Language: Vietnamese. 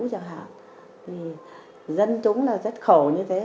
vì dân chúng là rất khổ như thế